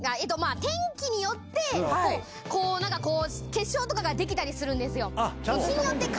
天気によってこうなんか、結晶とかが出来たりするんですよ。